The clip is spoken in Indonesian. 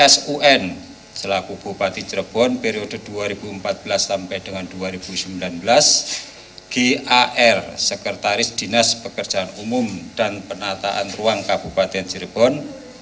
sun selaku bupati cirebon periode dua ribu empat belas sampai dengan dua ribu sembilan belas gar sekretaris dinas pekerjaan umum dan penataan ruang kabupaten cirebon